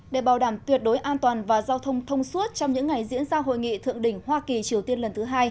để bảo đảm tuyệt đối an toàn và giao thông thông suốt trong những ngày diễn ra hội nghị thượng đỉnh hoa kỳ triều tiên lần thứ hai